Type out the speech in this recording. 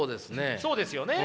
そうですよね。